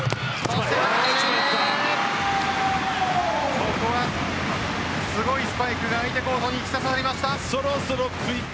ここはすごいスパイクが相手コートに突き刺さりました。